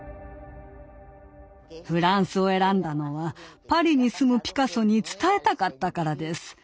フランスを選んだのはパリに住むピカソに伝えたかったからです。